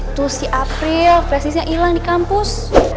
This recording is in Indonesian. itu si april flash di sini hilang di kampus